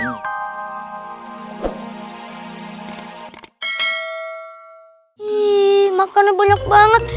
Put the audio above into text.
ih makannya banyak banget